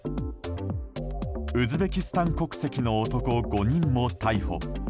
ウズベキスタン国籍の男５人も逮捕。